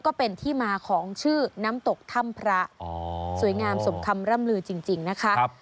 ก็เป็นที่มาของชื่อน้ำตกถ้ำพระสวยงามสมคำร่ำลือจริงนะคะ